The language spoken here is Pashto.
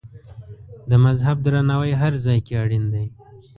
د مذهب درناوی هر ځای کې اړین دی.